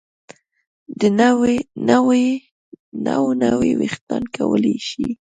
نو نوي ویښتان کولی شي